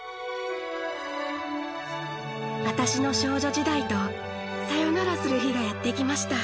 私の少女時代とさよならする日がやって来ました。